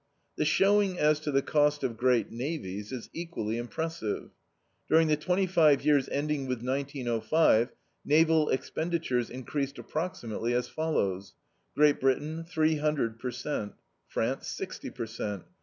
The showing as to the cost of great navies is equally impressive. During the twenty five years ending with 1905 naval expenditures increased approximately as follows: Great Britain, 300 per cent.; France 60 per cent.